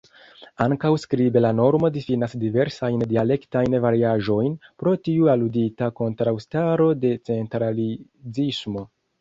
Ankaŭ skribe la normo difinas diversajn dialektajn variaĵojn, pro tiu aludita kontraŭstaro de centralizismo.